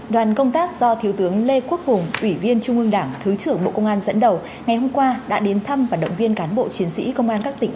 đoàn công tác do thiếu tướng lê quốc hùng ủy viên trung ương đảng thứ trưởng bộ công an dẫn đầu ngày hôm qua đã đến thăm và động viên cán bộ chiến sĩ công an các tỉnh